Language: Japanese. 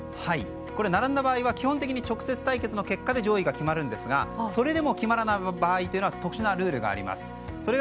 並んだ場合は基本的に直接対決の結果で上位が決まるんですがそれでも決まらない場合は特殊なルールがあります。